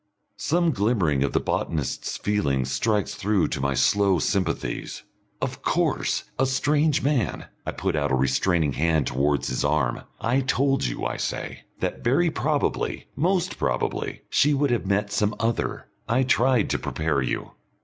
Some glimmering of the botanist's feelings strikes through to my slow sympathies. Of course a strange man! I put out a restraining hand towards his arm. "I told you," I say, "that very probably, most probably, she would have met some other. I tried to prepare you."